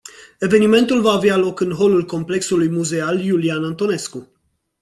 Evenimentul va avea loc în holul complexului muzeal Iulian Antonescu.